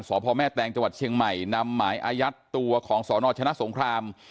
สพแม่แตงจังหวัดเชียงใหม่นำหมายอายัดตัวของสนชนะสงคราม